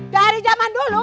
dari zaman dulu